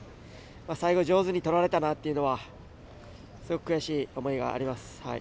最後上手にとられたなというのはすごく悔しい思いがあります。